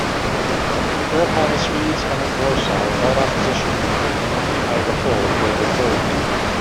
Thereupon the Swedes entered Warsaw without opposition and occupied the whole of Greater Poland.